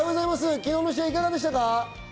昨日の試合、いかがでしたか？